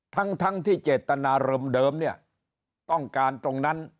ทั้งที่เจตนารมณ์เดิมเนี่ยต้องการตรงนั้น